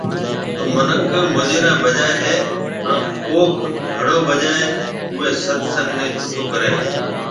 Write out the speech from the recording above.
تو منک مجيران بجائي ھيَََ ھان ڪوڪ گھڙو بجائي اوئي ست سنگ ني سٺو ڪري ھيَََ